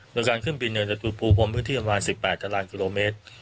โดยการเครื่องบินเนี่ยเดี๋ยวโดดภูมิคงที่อำมาต่าง๑๘กิโลเมตร